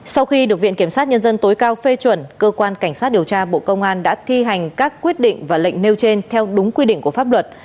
sau khi được viện kiểm sát nhân dân tối cao phê chuẩn cơ quan cảnh sát điều tra bộ công an đã thi hành các quyết định và lệnh nêu trên theo đúng quy định của pháp luật